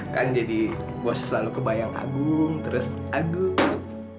kan jadi bos selalu kebayang agung terus aduh